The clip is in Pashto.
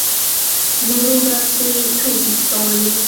نورو به پرې ټوکې کولې.